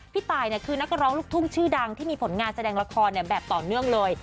พี่ตายคือนักร้องลูกทุ่งชื่อดังที่มีผลงานแสดงละครแบบต่อเนื่องเลย